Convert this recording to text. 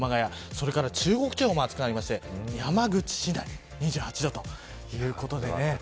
それから中国地方も暑くなりまして山口市内、２８度ということでね